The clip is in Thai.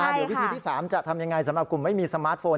เดี๋ยววิธีที่๓จะทำยังไงสำหรับกลุ่มไม่มีสมาร์ทโฟน